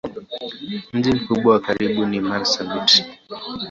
Mji mkubwa wa karibu ni Marsabit.